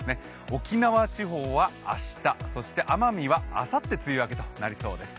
沖縄地方は明日、そして奄美はあさって梅雨明けとなりそうです。